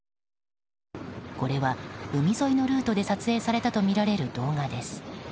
これは、海沿いのルートで撮影されたとみられる動画です。